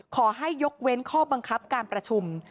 ขอให้ยกเว้นข้อบังคับการประชุม